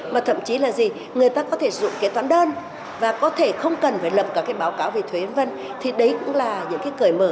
mà thậm chí là gì người ta có thể dụng kế toán đơn và có thể không cần phải lập cả cái báo cáo về thuế v v thì đấy cũng là những cái cởi mở